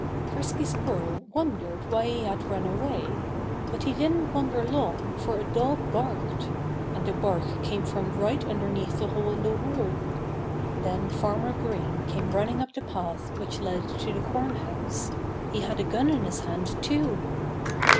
Frisky Squirrel wondered why he had run away. But he didn't wonder long, for a dog barked; and the bark came from right underneath the hole in the wall. Then Farmer Green came running up the path which led to the corn house. He had a gun in his hand, too.